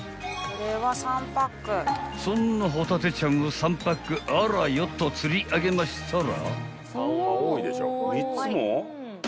［そんなホタテちゃんを３パックあらよっと釣り上げましたら］